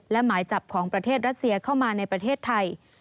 และหมายจับของประเทศรัสเซียเข้ามาในประเทศไทย